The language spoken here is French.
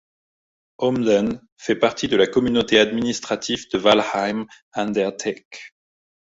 Ohmden fait partie de la communauté administrative de Weilheim an der Teck.